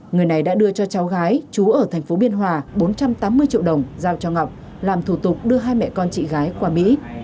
người này đã đưa cho cháu gái chú ở thành phố biên hòa bốn trăm tám mươi triệu đồng giao cho ngọc làm thủ tục đưa hai mẹ con chị gái qua mỹ